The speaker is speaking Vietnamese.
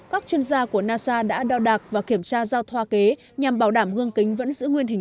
các chuyên gia của nasa đã đo đạc và kiểm tra giao thoa kế nhằm bảo đảm hương kính vẫn giữ nguyên hình